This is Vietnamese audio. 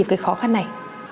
với cái khó khăn này